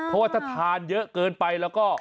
เพราะถ้าทำงานเยอะไป